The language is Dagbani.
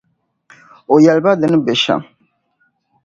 O yɛli ba di ni be shɛm.